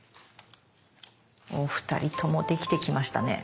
お二人ともできてきましたね。